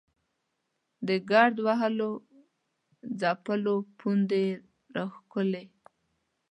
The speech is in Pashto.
د ګرد وهلو څپلیو پوندې یې راښکلې.